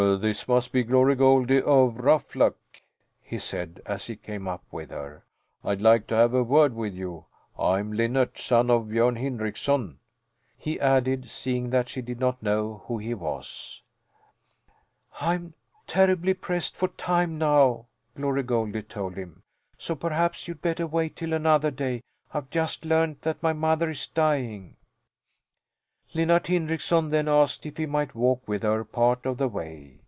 "This must be Glory Goldie of Ruffluck," he said as he came up with her. "I'd like to have a word with you. I'm Linnart, son of Björn Hindrickson," he added, seeing that she did not know who he was. "I'm terribly pressed for time now," Glory Goldie told him. "So perhaps you'd better wait till another day. I've just learned that my mother is dying." Linnart Hindrickson then asked if he might walk with her part of the way.